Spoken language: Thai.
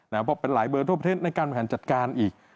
เพราะเป็นหลายเบอร์ทั่วเท็จในการบริหารจัดการอีก